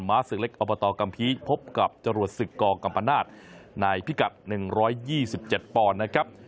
้าศึกเล็กอบตกัมภีพบกับจรวดศึกกกัมปนาศในพิกัด๑๒๗ปอนด์นะครับ